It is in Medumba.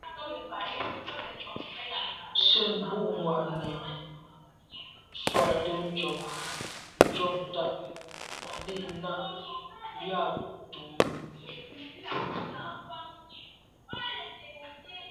Sə̂n bu’ŋwà’nì swatə̂ncob ncob ntad lî nâ’ yα̌ tumə.